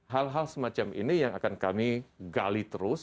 hal hal semacam ini yang akan kami gali terus